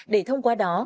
để thông qua đó